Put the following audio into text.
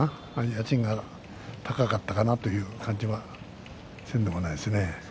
家賃が高かったかなという感じがしないでもないですね。